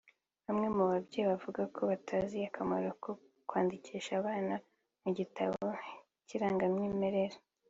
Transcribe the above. Bamwe mu babyeyi bavuga ko batazi akamaro ko kwandikisha abana mu gitabo cy’irangamimerere